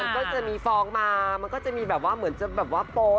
มันก็จะมีฟองมามันก็จะมีแบบว่าเหมือนจะโปรแต่ไม่โปร